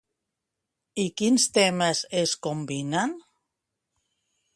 I quins temes es combinen?